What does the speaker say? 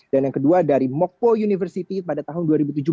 dan yang kedua dari mokpo university pada tahun dua ribu tujuh belas